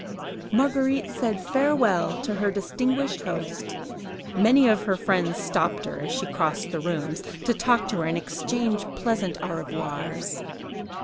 Marguerite said "Farewell" to her distinguished host; many of her friends stopped her, as she crossed the rooms, to talk to her, and exchange pleasant au revoirs.